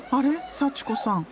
祥子さん